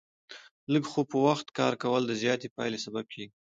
لږ خو په وخت کار کول، د زیاتې پایلې سبب کېږي.